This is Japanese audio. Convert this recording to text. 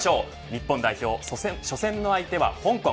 日本代表、初戦の相手は香港。